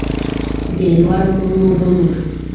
د لوړو غرونو غرور